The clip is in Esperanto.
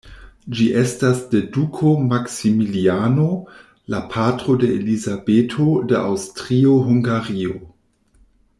Ĝi estas de duko Maksimiliano, la patro de Elizabeto de Aŭstrio-Hungario.